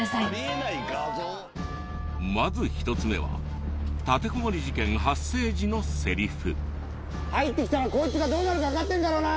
まず１つ目は立てこもり事件発生時のセリフ。